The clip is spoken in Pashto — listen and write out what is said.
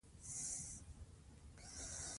د سولي په اړه لیکنې ګټورې دي.